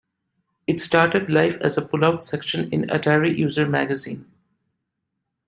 It started life as a pull-out section in "Atari User" magazine.